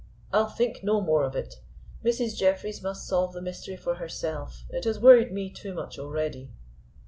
"I'll think no more of it. Mrs. Jeffreys must solve the mystery for herself. It has worried me too much already."